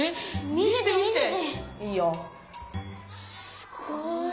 すごい。